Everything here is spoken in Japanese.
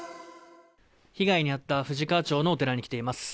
被害に遭った富士川町のお寺に来ています。